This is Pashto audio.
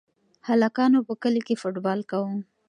هلکانو په کلي کې فوټبال کاوه.